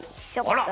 あら！